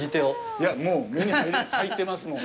いや、もう目に入ってます、もう。